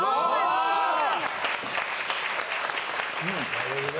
なるほどね。